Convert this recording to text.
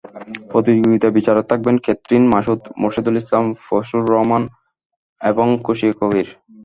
প্রতিযোগিতায় বিচারক থাকবেন ক্যাথরিন মাসুদ, মোরশেদুল ইসলাম, প্রসূন রহমান এবং খুশী কবির।